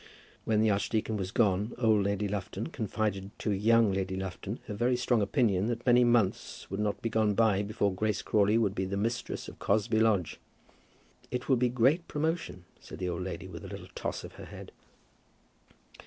When the archdeacon was gone old Lady Lufton confided to young Lady Lufton her very strong opinion that many months would not be gone by before Grace Crawley would be the mistress of Cosby Lodge. "It will be great promotion," said the old lady, with a little toss of her head.